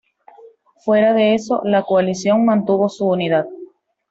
Fuera de eso, la coalición mantuvo su unidad.